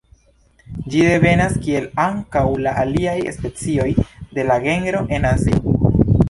Ĝi devenas kiel ankaŭ la aliaj specioj de la genro el Azio.